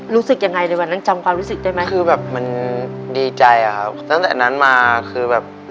รู้สึกยังไงจำค์ความรู้สึกได้มั้ย